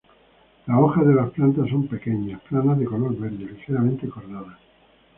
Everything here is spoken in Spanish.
Las hojas de la planta son pequeñas, planas de color verde, ligeramente cordadas.